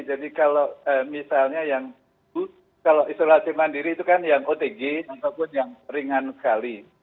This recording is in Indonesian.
jadi kalau misalnya yang kalau isolasi mandiri itu kan yang otg ataupun yang ringan sekali